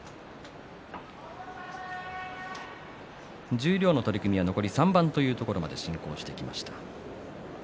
十両の取組は、あと３番というところまで進行してきました。